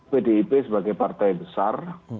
pdip sebagai partai besar